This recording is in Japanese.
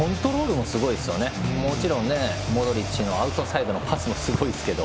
もちろんね、モドリッチのアウトサイドのパスもすごいですけど。